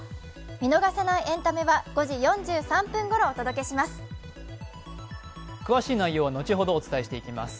見逃せないエンタメは５時４３分ごろお伝えします。